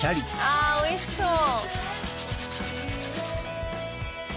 あおいしそう。